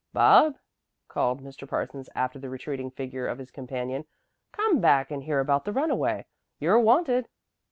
"Bob," called Mr. Parsons after the retreating figure of his companion, "come back and hear about the runaway. You're wanted."